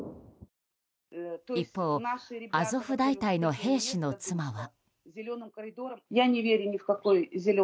一方アゾフ大隊の兵士の妻は。